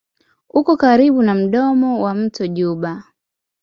Uko karibu na mdomo wa mto Juba.